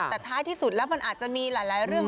แต่ท้ายที่สุดแล้วมันอาจจะมีหลายเรื่อง